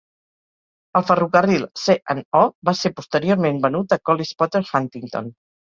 El ferrocarril C and O va ser posteriorment venut a Collis Potter Huntington.